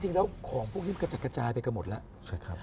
จริงแล้วของพวกนี้จะกระจายไปกันหมดละ